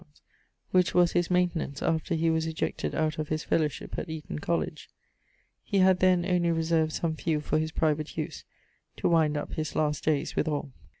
_) which was his maintenance after he was ejected out of his fellowship at Eaton College. He had then only reserved some few for his private use, to wind up his last dayes withall.